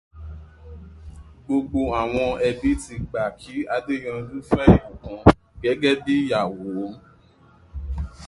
Gbogbo àwọn ebí ti gbà kí Adéyanjú fẹ́ Ìbùkún gẹ́gẹ́ bi ìyàwó